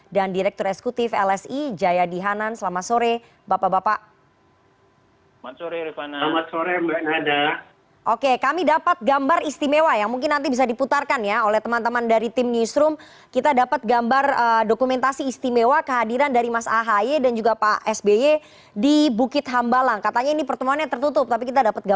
dan direktur esekutif lsi jaya dihanan selamat sore bapak bapak